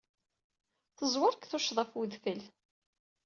Teẓwer deg tuccga ɣef wedfel.